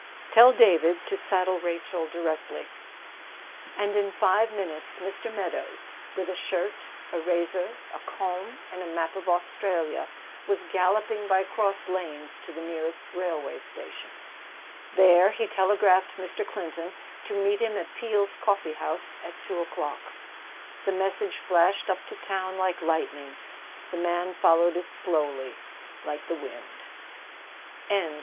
"Tell David to saddle Rachel directly." And in five minutes Mr. Meadows, with a shirt, a razor, a comb, and a map of Australia, was galloping by cross lanes to the nearest railway station. There he telegraphed Mr. Clinton to meet him at Peel's Coffee House at two o'clock. The message flashed up to town like lightning. The man followed it slowly like the wind. CHAPTER LV.